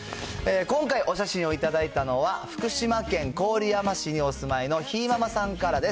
今回、お写真を頂いたのは、福島県郡山市にお住まいのひーママさんからです。